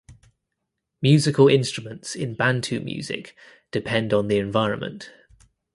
Musical instruments in Bantu music depend on the environment.